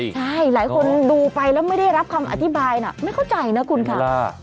ใช่หลายคนดูไปแล้วไม่ได้รับคำอธิบายนะไม่เข้าใจนะคุณค่ะ